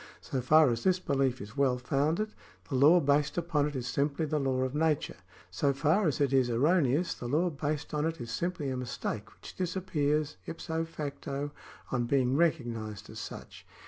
So far as this behef is well founded, the law based upon it is simply the law of nature ; so far as it is erroneous, the law based on it is simply a mistake which disappears ipso facto on being recog nised as such.